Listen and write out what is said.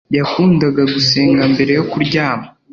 Yakundaga gusenga mbere yo kuryama